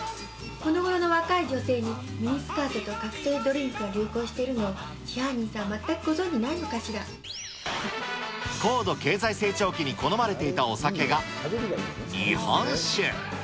このごろの若い女性にミニスカートとカクテルドリンクが流行しているのを、支配人さん、高度経済成長期に好まれていたお酒が、日本酒。